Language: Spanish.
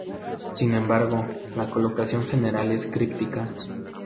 Sin embargo, la colocación general es críptica.